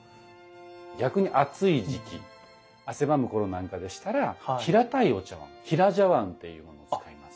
逆に暑い時期汗ばむ頃なんかでしたら平たいお茶碗平茶碗というものを使います。